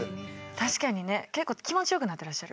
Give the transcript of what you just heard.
確かにね結構気持ちよくなってらっしゃる。